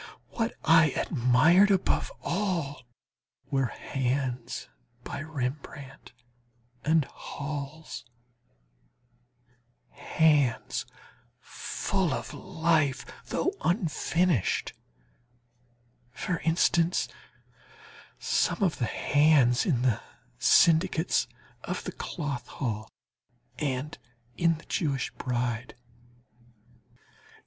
What I admired above all were hands by Rembrandt and Hals, hands full of life, though unfinished; for instance, some of the hands in the "Syndics of the Cloth Hall," and in the "Jewish Bride."